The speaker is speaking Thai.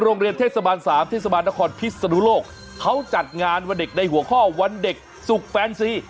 โรงเรียนเทศบาลสามเทศบาลนครพิศนุโลกเขาจัดงานวันเด็กในหัวข้อวันเด็กศุกร์แฟนซี